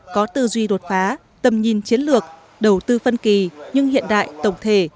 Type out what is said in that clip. có tư duy đột phá tầm nhìn chiến lược đầu tư phân kỳ nhưng hiện đại tổng thể